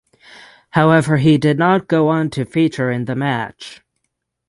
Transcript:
However he did not go on to feature in the match.